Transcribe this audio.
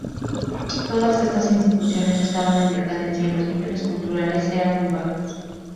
Todas estas instituciones estaban en decadencia y los niveles culturales eran muy bajos.